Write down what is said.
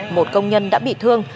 một công nhân đã bị thương